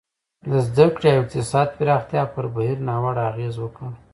د زده کړې او اقتصادي پراختیا پر بهیر ناوړه اغېز وکړ.